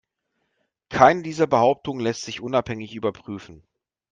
Keine dieser Behauptungen lässt sich unabhängig überprüfen.